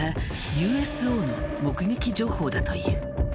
ＵＳＯの目撃情報だという。